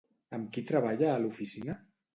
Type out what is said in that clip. Amb qui treballa a l'oficina?